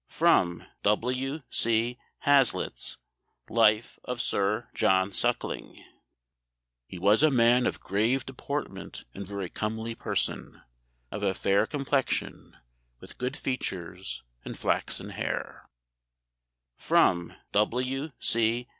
[Sidenote: W. C. Hazlitt's Life of Sir John Suckling.] "He was a man of grave deportment and very comely person: of a fair complexion, with good features and flaxen haire." [Sidenote: W. C.